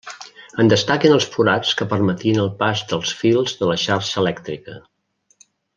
En destaquen els forats que permetien el pas dels fils de la xarxa elèctrica.